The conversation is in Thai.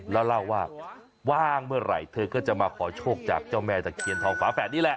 แล้วเล่าว่าว่างเมื่อไหร่เธอก็จะมาขอโชคจากเจ้าแม่ตะเคียนทองฝาแฝดนี่แหละ